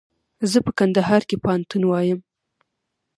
زه په کندهار کښي پوهنتون وایم.